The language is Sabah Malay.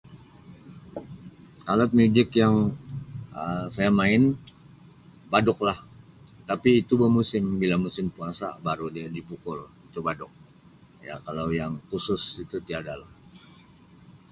Alat muzik yang Um saya main baduk lah tapi tu bemusim bila musim puasa baru dia dipukul tu baduk ya kalau yang khusus itu tiada lah.